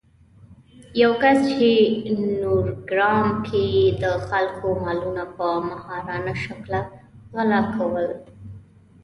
یو کس چې نورګرام کې يې د خلکو مالونه په ماهرانه شکل غلا کول